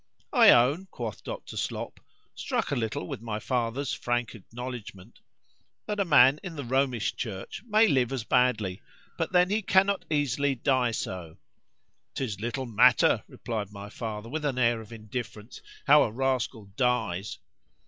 ——I own, quoth Dr. Slop, (struck a little with my father's frank acknowledgment)—that a man in the Romish church may live as badly;—but then he cannot easily die so.——'Tis little matter, replied my father, with an air of indifference,—how a rascal dies.